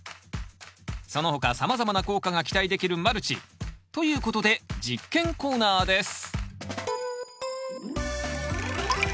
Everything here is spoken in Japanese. その他さまざまな効果が期待できるマルチ。ということで実験コーナーです